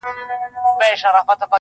په هغه ورځ یې مرګی ورسره مل وي.!